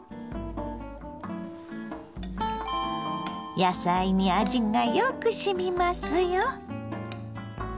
野菜に味がよくしみますよ。